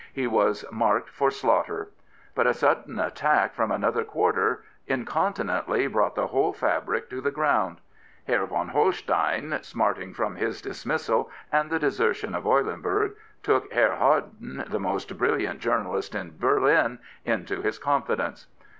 He was marked for slaughter. But a sudden attack from another quarter incontinently brought the whole fabric to the ground. Herr von Holstein, smarting from his dis missal, and the desertion of Eulenburg, took Herr Harden, the most brilliant journalist in Berlin, into his confidence.